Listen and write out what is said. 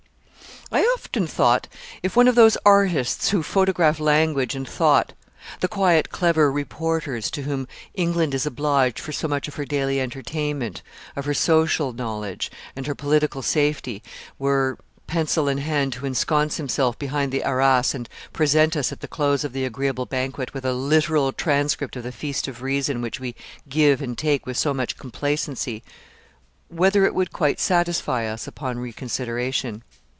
I often thought if one of those artists who photograph language and thought the quiet, clever 'reporters,' to whom England is obliged for so much of her daily entertainment, of her social knowledge, and her political safety, were, pencil in hand, to ensconce himself behind the arras, and present us, at the close of the agreeable banquet, with a literal transcript of the feast of reason, which we give and take with so much complacency whether it would quite satisfy us upon reconsideration.